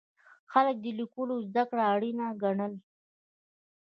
خلک د لیکلو زده کړه اړینه ګڼله.